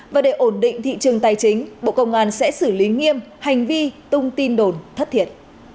và để ổn định thị trường tài chính bộ công an sẽ xử lý nghiêm hành vi tung tin đồn thất thiệt